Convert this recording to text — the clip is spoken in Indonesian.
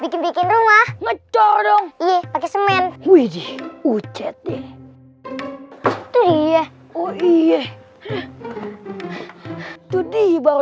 bikin bikin rumah ngecorong iya pakai semen widhi ucet deh tuh iya oh iya tuh di baru